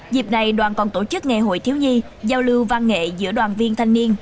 dịp này đoàn còn tổ chức ngày hội thiếu nhi giao lưu văn nghệ giữa đoàn viên thanh niên